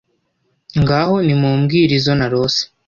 ngaho nimumbwire izo narose